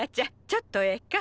ちょっとええか？